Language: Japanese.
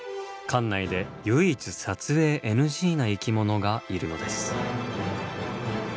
館内で唯一撮影ＮＧな生き物がいるのです。